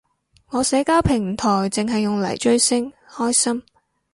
我社交平台剩係用嚟追星，開心